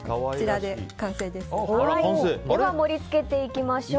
では、盛り付けていきましょう。